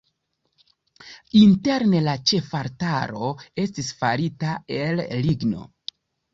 Interne la ĉefaltaro estis farita el ligno.